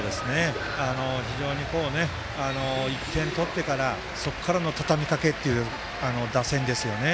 非常に１点取ってからそこからのたたみかけという打線ですよね。